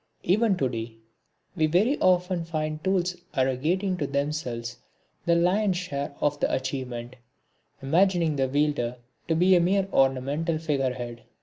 Even to day we very often find the tools arrogating to themselves the lion's share of the achievement, imagining the wielder to be a mere ornamental figurehead.